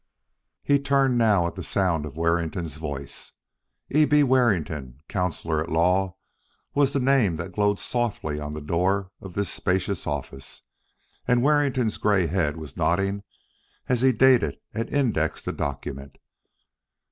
He turned now at the sound of Warrington's voice. E. B. Warrington, Counsellor at Law, was the name that glowed softly on the door of this spacious office, and Warrington's gray head was nodding as he dated and indexed a document.